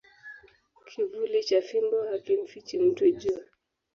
Kivuli cha fimbo hakimfichi mtu jua